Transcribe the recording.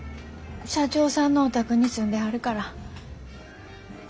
社長さんのお宅に住んではるから。